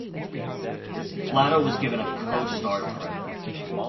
Flatow was given a co-star credit.